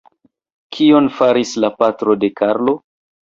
Kion faris la patro de Karlo?